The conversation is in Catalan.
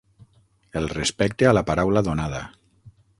El respecte a la paraula donada.